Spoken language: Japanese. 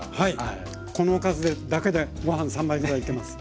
このおかずでだけでごはん３杯ぐらいいけます。